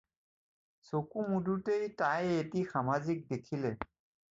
চকু মুদোঁতেই তাই এটি সামাজিক দেখিলে।